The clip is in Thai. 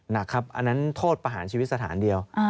หนักครับอันนั้นโทษประหารชีวิตสถานเดียว